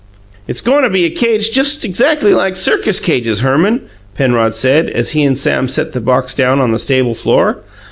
"It's goin' to be a cage just exactly like circus cages, Herman," Penrod said, as he and Sam set the box down on the stable floor.